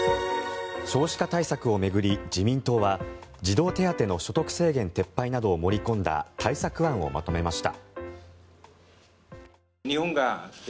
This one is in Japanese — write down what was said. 少子化対策を巡り、自民党は児童手当の所得制限撤廃などを盛り込んだ対策案をまとめました。